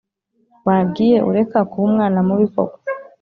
Wagiye ureka kuba umwana mubi koko